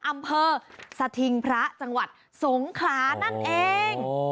อำเภอสถิงพระจังหวัดสงขลานั่นเอง